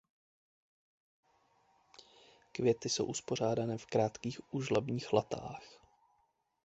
Květy jsou uspořádané v krátkých úžlabních latách.